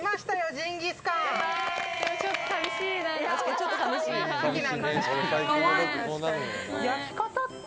ちょっと寂しいな。